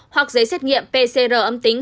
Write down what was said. hoặc giấy xét nghiệm pcr âm tính